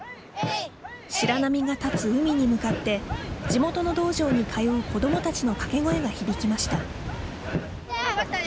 白波が立つ海に向かって地元の道場に通う子どもたちの掛け声が響きました。